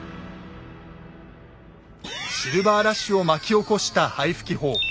シルバーラッシュを巻き起こした灰吹法。